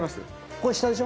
これ下でしょ？